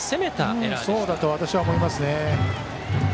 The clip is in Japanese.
そうだと私は思いますね。